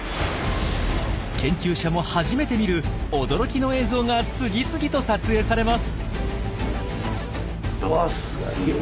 研究者も初めて見る驚きの映像が次々と撮影されます。